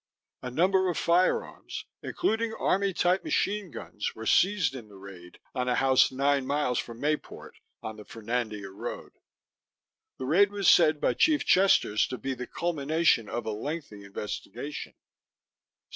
A number of firearms, including army type machine guns, were seized in the raid on a house 9 miles from Mayport on the Fernandina road. The raid was said by Chief Chesters to be the culmination of a lengthy investigation.